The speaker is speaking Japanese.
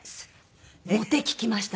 モテ期きました！